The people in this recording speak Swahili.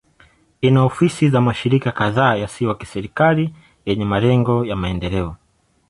Ina ofisi za mashirika kadhaa yasiyo ya kiserikali yenye malengo ya maendeleo.